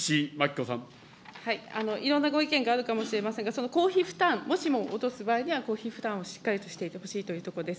いろんなご意見があるかもしれませんが、その公費負担、もしも落とす場合には、公費負担をしっかりしてほしいというところです。